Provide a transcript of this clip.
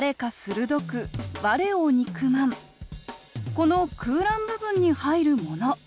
この空欄部分に入るもの